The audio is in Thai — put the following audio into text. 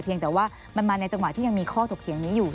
ยังแต่ว่ามันมาในจังหวะที่ยังมีข้อถกเถียงนี้อยู่